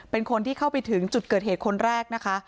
เป็นคนที่เข้าไปถึงจุดเกิดเหตุคนแรกนะคะ